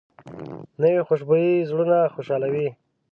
نوې خوشبويي زړونه خوشحالوي